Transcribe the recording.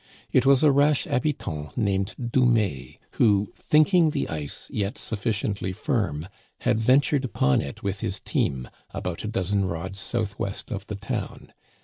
It was a rash habitant named Dumais, who, thinking the ice yet sufficiently firm, had ventured upon it with his team, about a dozen rods southwest of the town.